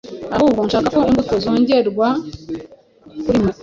Gusabana: Guhuza urugwiro, kuganira n’umuntu mukaba inshuti mukanezerwa